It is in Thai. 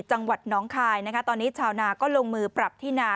จังหวัดน้องคายนะคะตอนนี้ชาวนาก็ลงมือปรับที่นา